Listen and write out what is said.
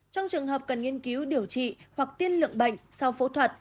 trong trường hợp cần nghiên cứu điều trị hoặc tiên lượng bệnh sau phẫu thuật